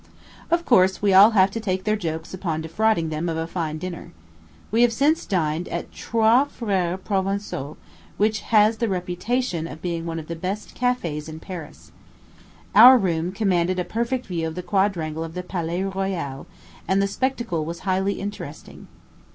Of course, we all have to take their jokes upon our defrauding them of a fine dinner. We have dined since at the Trois Frères Provençaux, which has the reputation of being one of the best cafés in Paris. Our room commanded a perfect view of the quadrangle of the Palais Royal, and the spectacle was highly interesting.